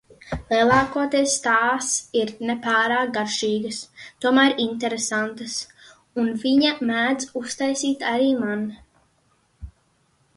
Lielākoties tās ir ne pārāk garšīgas, tomēr interesentas, un viņa mēdz uztaisīt arī man.